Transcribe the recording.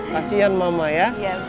kasian mama ya